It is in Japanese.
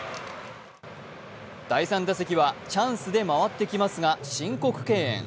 第３打席はチャンスで回ってきますが申告敬遠。